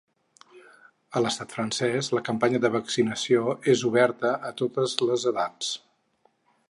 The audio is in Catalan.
A l’estat francès, la campanya de vaccinació és oberta a totes les edats.